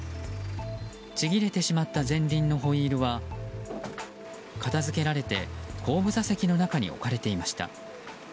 ちぎれてしまった前輪のホイールは片づけられて後部座席の中に置かれていました。